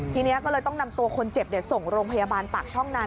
ทีนี้ก็เลยต้องนำตัวคนเจ็บส่งโรงพยาบาลปากช่องนาน